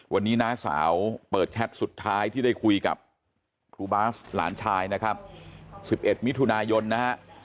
วันนี้น้าสาวเปิดแชทสุดท้ายที่ได้คุยกับครูบาสหลานชายนะครับ๑๑มิถุนายนนะฮะ